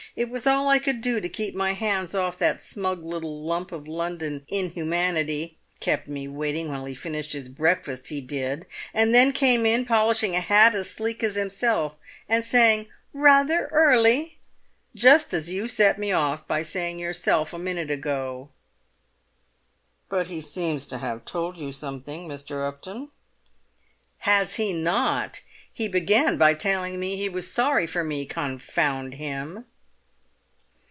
It was all I could do to keep my hands off that smug little lump of London inhumanity! Kept me waiting while he finished his breakfast, he did, and then came in polishing a hat as sleek as himself, and saying 'Rather early!'—just as you set me off by saying yourself a minute ago." "But he seems to have told you something, Mr. Upton?" "Has he not! He began by telling me he was sorry for me, confound him!